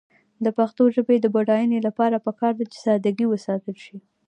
د پښتو ژبې د بډاینې لپاره پکار ده چې ساده ګي وساتل شي.